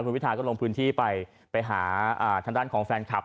คุณพิทาก็ลงพื้นที่ไปไปหาทางด้านของแฟนคลับ